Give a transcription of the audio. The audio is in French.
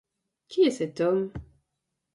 Qui est cet homme?